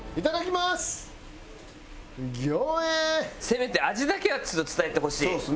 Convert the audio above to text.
せめて味だけはちょっと伝えてほしい。